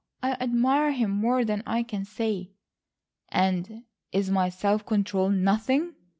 I admire him more than I can say." "And is my self control nothing?"